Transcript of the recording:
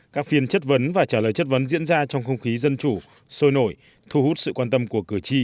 các phiên chất vấn và trả lời chất vấn diễn ra trong không khí dân chủ sôi nổi thu hút sự quan tâm của cử tri